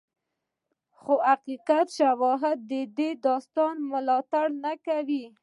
خو حقیقت کې شواهد د دې داستان ملاتړ نه کوي.